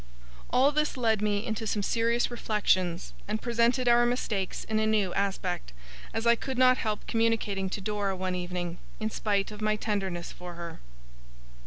All this led me into some serious reflections, and presented our mistakes in a new aspect; as I could not help communicating to Dora one evening, in spite of my tenderness for her.